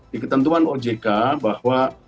di ketentuan ojk bahwa